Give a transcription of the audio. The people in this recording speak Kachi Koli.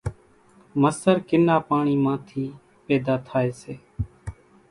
مسر ڪِنا پاڻِي مان ٿِي پيۮا ٿائيَ سي۔